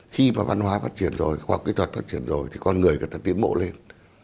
khi mà văn hóa phát triển rồi khoa học kỹ thuật phát triển rồi thì con người người ta tiến bộ lên